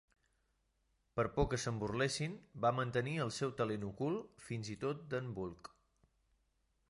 Per por que se'n burlessin, va mantenir el seu talent ocult, fins i tot d'en Bulk.